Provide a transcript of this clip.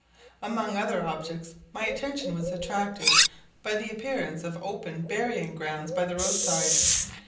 Among other objects my attention was attracted by the appearance of open burying grounds by the roadside.